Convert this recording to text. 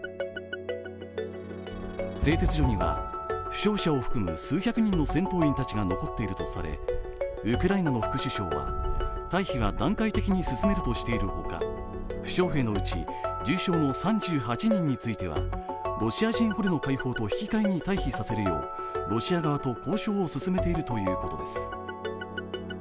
製鉄所には負傷者を含む数百人の戦闘員が残っているとされ、ウクライナの副首相は退避は段階的に進めるとしている他、負傷兵のうち重傷の３８人についてはロシア人捕虜の解放と引き換えに退避をさせるようロシア側と交渉を進めていると言うことです。